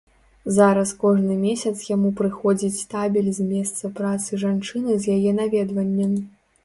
Зараз кожны месяц яму прыходзіць табель з месца працы жанчыны з яе наведваннем.